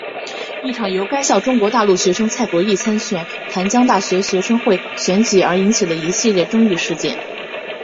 一场由该校中国大陆学生蔡博艺参选淡江大学学生会选举而引起的一系列争议事件。